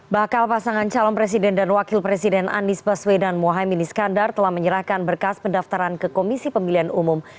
bakal pasangan calon presiden dan wakil presiden anies baswedan mohaimin iskandar telah menyerahkan berkas pendaftaran ke komisi pemilihan umum